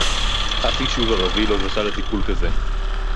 אף יישוב ערבי לא זכה לטיפול כזה